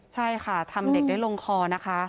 ใช่ค่ะทำเด็กได้ลงคอนะคะ